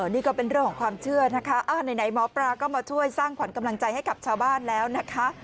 นี่ก็เป็นเรื่องของความเชื่อนะคะไหนหมอปลาก็มาช่วยสร้างขวัญกำลังใจให้กับชาวบ้านแล้วนะคะ